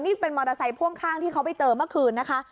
นี่เป็นมอเตอร์ไซค์พ่วงข้างที่เขาไปเจอเมื่อคืนนะคะ